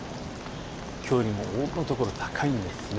きょうよりも多くのところ高いんです。